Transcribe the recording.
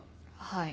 はい。